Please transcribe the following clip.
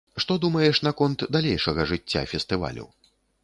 Што думаеш наконт далейшага жыцця фестывалю?